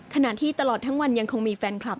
ขณะที่ตลอดทั้งวันยังคงมีแฟนคลับ